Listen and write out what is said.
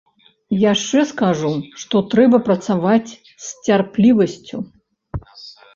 Яшчэ скажу, што трэба працаваць з цярплівасцю.